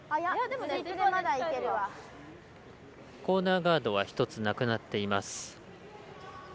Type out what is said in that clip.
コーナーガードは１つなくなっています。